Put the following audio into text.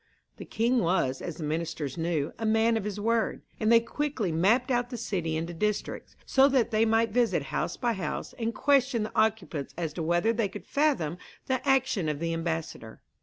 The king was, as the ministers knew, a man of his word; and they quickly mapped out the city into districts, so that they might visit house by house, and question the occupants as to whether they could fathom the action of the ambassador.